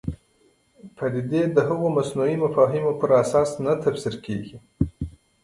پدیدې د هغو مصنوعي مفاهیمو پر اساس نه تفسیر کېږي.